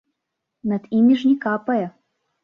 Над імі ж не капае.